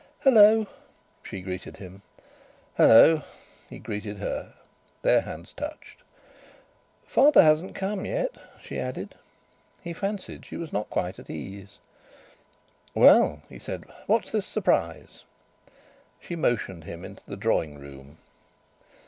"Hello!" she greeted him. "Hello!" he greeted her. Their hands touched. "Father hasn't come yet," she added. He fancied she was not quite at ease. "Well," he said, "what's this surprise." She motioned him into the drawing room.